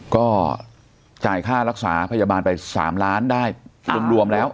ก็จ่ายค่ารักษาพยาบาลไป๓ล้านได้รวมแล้ว